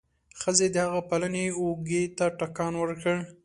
ښځې د هغه پلنې اوږې ته ټکان ورکړ.